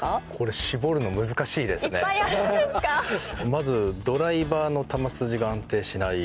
まずドライバーの球筋が安定しない。